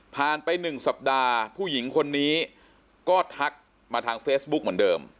ไป๑สัปดาห์ผู้หญิงคนนี้ก็ทักมาทางเฟซบุ๊กเหมือนเดิม